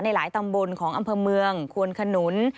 หลายตำบลของอำเภอเมืองควนขนุน